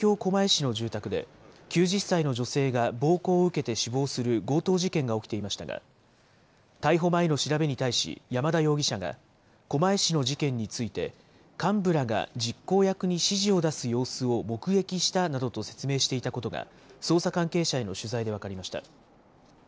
この事件の前日には、東京・狛江市の住宅で、９０歳の女性が暴行を受けて死亡する強盗事件が起きていましたが、逮捕前の調べに対し山田容疑者が、狛江市の事件について、幹部らが実行役に指示を出す様子を目撃したなどと説明していたことが、捜査関係者への取材で分かりました。